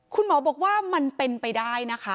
คุณหมอบอกว่ามันเป็นไปได้นะคะ